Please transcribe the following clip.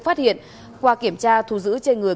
phát hiện qua kiểm tra thu giữ trên người